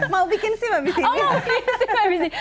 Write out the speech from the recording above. mau bikin sih mbak bissi oh mau bikin sih mbak bissi